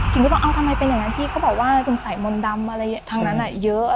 เขาบอกเอาทำไมเป็นอย่างนั้นพี่เขาบอกว่าคุณใส่มนต์ดำอะไรทั้งนั้นเยอะ